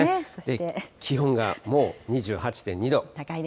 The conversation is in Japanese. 気温がもう２８．２度。